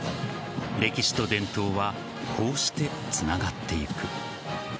歴史と伝統はこうしてつながっていく。